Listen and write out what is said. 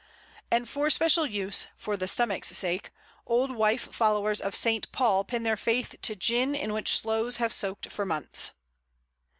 And for special use "for the stomach's sake" old wife followers of St. Paul pin their faith to gin in which Sloes have soaked for months.